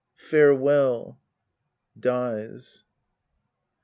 Farewell. [Dies.